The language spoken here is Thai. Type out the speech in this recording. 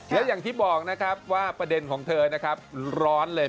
แล้วอย่างที่บอกนะครับว่าประเด็นของเธอนะครับร้อนเลย